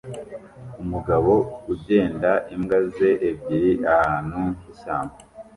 Umugabo ugenda imbwa ze ebyiri ahantu h'ishyamba